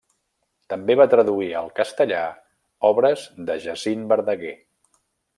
També va traduir al castellà obres de Jacint Verdaguer.